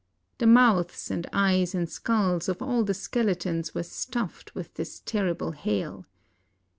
The mouths and eyes and skulls of all the skeletons were stuffed with this terrible hail.